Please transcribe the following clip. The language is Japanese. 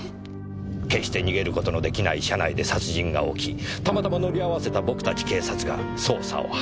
決して逃げる事の出来ない車内で殺人が起きたまたま乗り合わせた僕たち警察が捜査を始める。